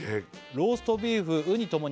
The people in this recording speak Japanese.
「ローストビーフウニともに」